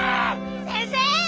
先生！